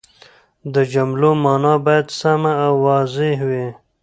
د جملو مانا باید سمه او واضحه وي.